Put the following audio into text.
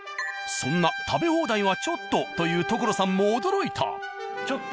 そんな「食べ放題はちょっと」と言う所さんも驚いた！